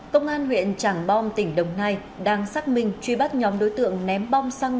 công an huyện trảng bom tỉnh đồng nai đang xác minh truy bắt nhóm đối tượng ném bom xăng